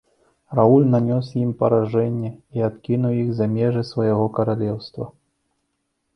Рауль нанёс ім паражэнне і адкінуў іх за межы свайго каралеўства.